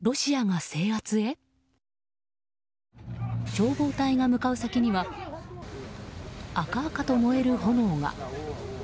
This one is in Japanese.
消防隊が向かう先には赤々と燃える炎が。